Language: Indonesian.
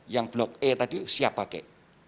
yang blok e tadi siap pakai